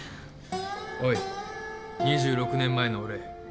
おい２６年前の俺。